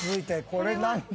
これ何で。